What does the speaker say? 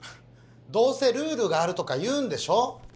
どうせ「ルールがある」とか言うんでしょ？